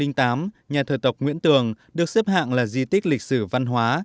năm hai nghìn tám nhà thờ tộc nguyễn tường được xếp hạng là di tích lịch sử văn hóa